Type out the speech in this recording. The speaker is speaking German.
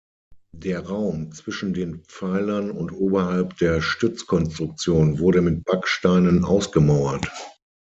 Der Raum zwischen den Pfeilern und oberhalb der Stützkonstruktion wurde mit Backsteinen ausgemauert.